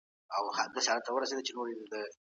نورو څخه د کرکي له لاري، څه نه دي ترلاسه کړي،